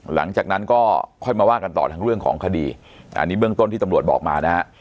หลังจากนั้นก็ค่อยมาว่ากันต่อทั้งเรื่องของคดีอันนี้เบื้องต้นที่ตำรวจบอกมานะฮะ